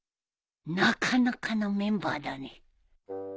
なかなかなメンバーだね